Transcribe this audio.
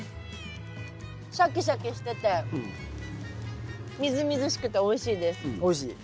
シャキシャキしててみずみずしくておいしいです。